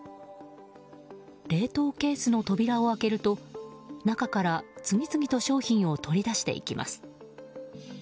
冷凍ケースの扉を開けると中から次々と商品を取り出していきます。